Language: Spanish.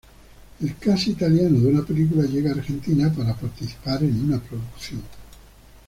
El cast italiano de una película llega a Argentina para participar en una producción.